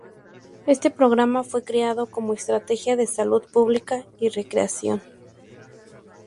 Este programa fue creado como estrategia de salud pública y recreación.